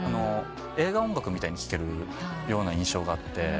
映画音楽みたいに聴けるような印象があって。